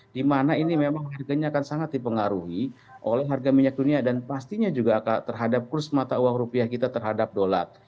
dimana ini memang harganya akan sangat dipengaruhi oleh harga minyak dunia dan pastinya juga akan terhadap kurs mata uang rupiah kita terhadap dolar